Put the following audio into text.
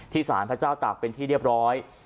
สารพระเจ้าตากเป็นที่เรียบร้อย